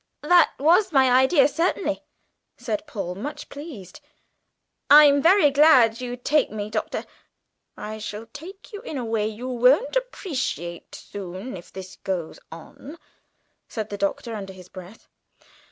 "That was my idea, certainly," said Paul, much pleased. "I'm very glad you take me, Doctor." "I shall take you in a way you won't appreciate soon, if this goes on," said the Doctor under his breath.